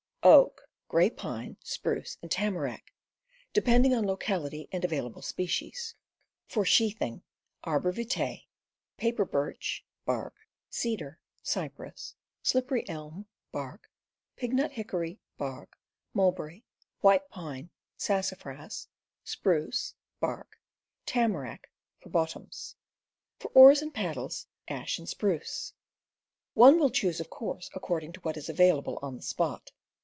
,. j x i ^ oak, gray pme, spruce, and tamarack, depending on locality and available species; for sheath ing, arbor vitse, paper birch (bark), cedar, cypress, slippery elm (bark), pignut hickory (bark), mulberry, white pine, sassafras, spruce (bark), tamarack(for bot toms) ; for oars or paddles, ash and spruce. One will choose, of course, according to what is available on the spot.